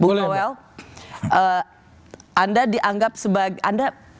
bung towel anda dianggap sebagai anda